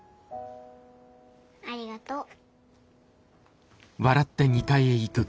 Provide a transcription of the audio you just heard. ありがとう。